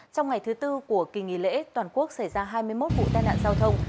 trong ngày thứ tư của kỳ nghỉ lễ toàn quốc xảy ra hai mươi một vụ tai nạn giao thông